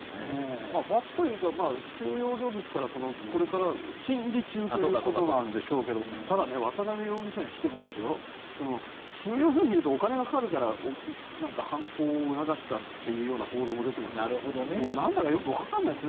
罰というか収容所ですから審理中ということなんでしょうけどただ、渡邉容疑者にしても収容所にいるとお金がかかるから犯行を促したっていう報道も出てますからなんだかよくわからないですね。